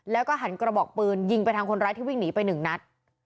แล้วก็หันกระบอกปืนยิงไปทางคนร้ายที่วิ่งหนีไปหนึ่งนัด